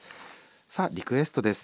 さあリクエストです。